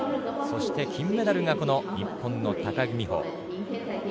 そして金メダルが日本の高木美帆。